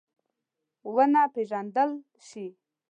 ونه پېژندل شي.